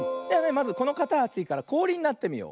まずこのかたちからこおりになってみよう。